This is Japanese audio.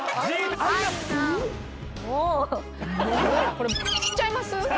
これちゃいます？